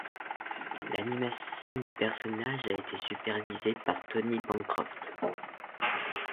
L'animation du personnage a été supervisée par Tony Bancroft.